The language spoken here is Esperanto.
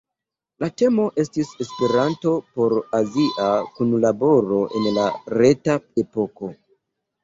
La temo estis "Esperanto por azia kunlaboro en la reta epoko!